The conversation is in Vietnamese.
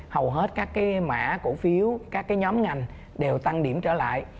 hầu hết các cái mã cổ phiếu các nhóm ngành đều tăng điểm trở lại